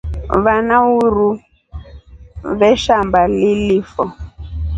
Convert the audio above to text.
Vana uruu veshamba lilifo.